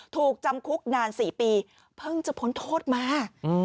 ถูกจำคุกนาน๔ปีเพิ่งจะพ้นโทษมา